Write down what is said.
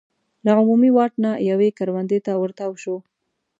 له عمومي واټ نه یوې کروندې ته ور تاو شو.